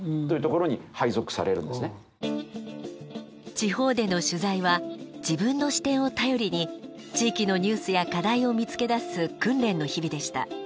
地方での取材は自分の視点を頼りに地域のニュースや課題を見つけ出す訓練の日々でした。